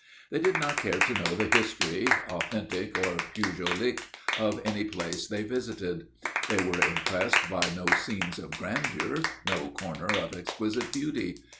They did not care to know the history, authentic or Pujolic, of any place they visited; they were impressed by no scene of grandeur, no corner of exquisite beauty.